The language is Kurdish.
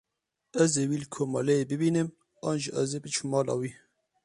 Ez ê wî li komeleyê bibînim an jî ez ê biçim mala wî.